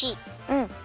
うん。